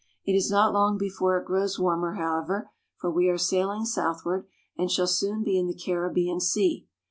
It is not long before it grows warmer, however, for we are sailing southward and shall soon be in the Caribbean Sea.